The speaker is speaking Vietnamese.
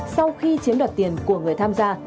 sau khi chiếm đoạt tiền của người tham gia